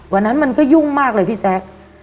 วันนั้นมันก็ยุ่งมากเลยพี่แจ๊ก